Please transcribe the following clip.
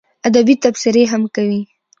ادبي تبصرې هم کوي.